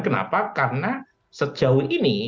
kenapa karena sejauh ini